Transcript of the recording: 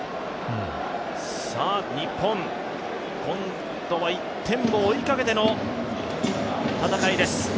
日本、今度は１点を追いかけての戦いです。